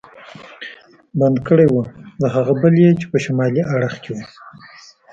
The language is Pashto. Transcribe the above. بند کړی و، له هغه بل یې هم چې په شمالي اړخ کې و.